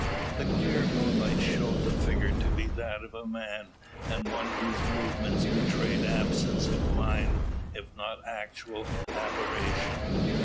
The clear moonlight showed the figure to be that of a man, and one whose movements betrayed absence of mind, if not actual aberration.